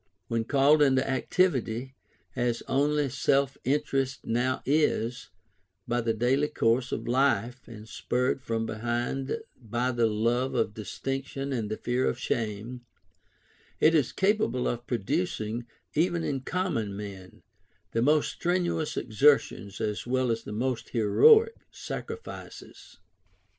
When called into activity, as only self interest now is, by the daily course of life, and spurred from behind by the love of distinction and the fear of shame, it is capable of producing, even in common men, the most strenuous exertions as well as the most heroic sacrifices.